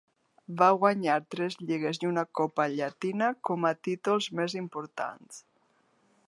Va guanyar tres lligues i una Copa Llatina com a títols més importants.